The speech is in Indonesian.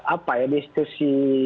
apa ya di institusi